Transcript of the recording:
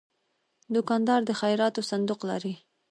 دوکاندار د خیراتو صندوق لري.